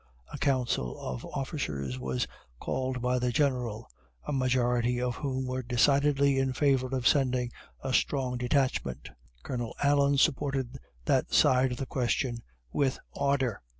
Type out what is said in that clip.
A council of officers was called by the General, a majority of whom were decidedly in favor of sending a strong detachment Colonel Allen supported that side of the question with ardour.